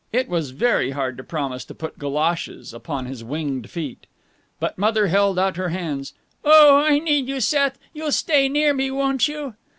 It was very hard to promise to put goloshes upon his winged feet. But Mother held out her hands. "Oh, I need you, Seth. You'll stay near me, won't you?"